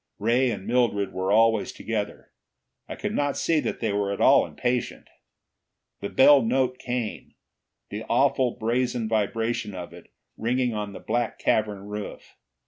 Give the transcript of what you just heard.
Ray and Mildred were always together; I could not see that they were at all impatient. The bell note came, the awful brazen vibration of it ringing on the black cavern roof.